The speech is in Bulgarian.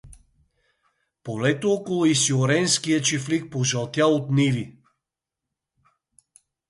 Полето около Исьоренския чифлик пожълтя от ниви.